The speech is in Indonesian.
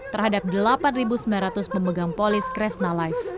terhadap delapan sembilan ratus pemegang polis kresna life